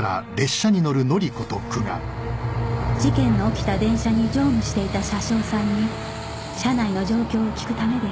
事件の起きた電車に乗務していた車掌さんに車内の状況を聞くためである